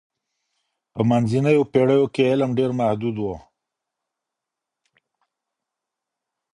په منځنیو پېړیو کي علم ډېر محدود و.